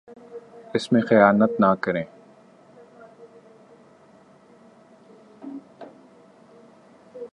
اس میں خیانت نہ کرے